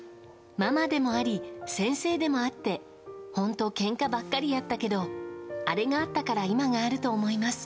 ママでもあり先生でもあって本当、けんかばっかりやったけどあれがあったから今があると思います。